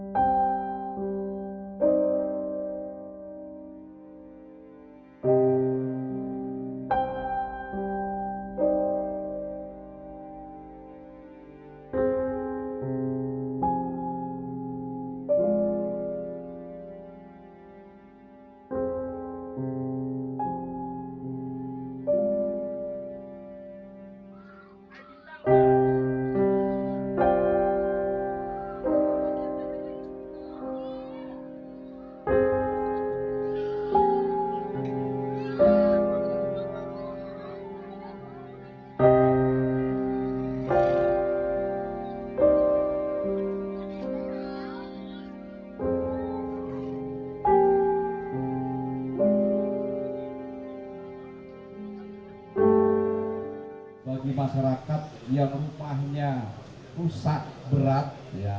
bagi masyarakat yang umpahnya pusat berat